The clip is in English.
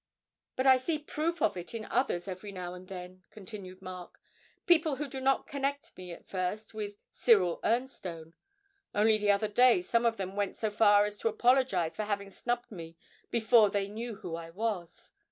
'But I see proof of it in others every now and then,' continued Mark, 'people who do not connect me at first with "Cyril Ernstone." Only the other day some of them went so far as to apologise for having snubbed me "before they knew who I was."